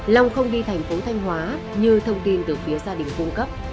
long không đi thành phố thanh hóa như thông tin từ phía gia đình cung cấp